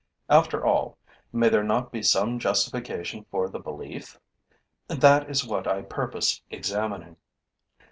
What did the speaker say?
After all, may there not be some justification for the belief? That is what I purpose examining.